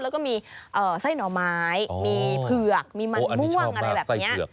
แล้วก็มีไส้หน่อไม้มีเผือกมีมันม่วงอะไรแบบนี้